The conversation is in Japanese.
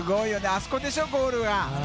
あそこでしょ、ゴールが。